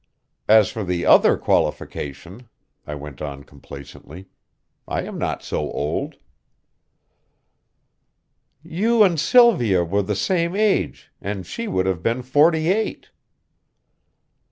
As for the other qualification," I went on complacently, "I am not so old." "You and Sylvia were the same age, and she would have been forty eight."